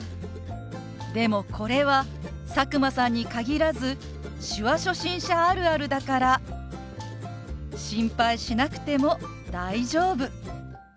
でもこれは佐久間さんに限らず手話初心者あるあるだから心配しなくても大丈夫。